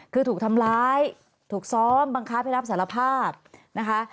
คือถูกทำร้ายถูกซ้อมบังคับให้รับสารภาพนะคะ